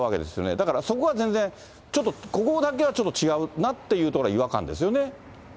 だからそこは全然、ちょっとここだけは、ちょっと違うなというところは違和感ですよね。